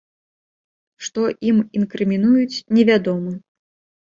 Што ім інкрымінуюць, невядома.